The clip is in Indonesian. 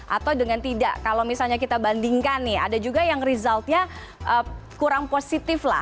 atau dengan tidak kalau misalnya kita bandingkan nih ada juga yang resultnya kurang positif lah